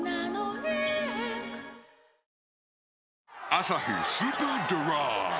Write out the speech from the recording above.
「アサヒスーパードライ」